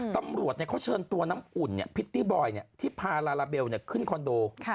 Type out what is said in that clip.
ตำรวจเขาเชิญตัวน้ำอุ่นพิตตี้บอยที่พาลาลาเบลขึ้นคอนโด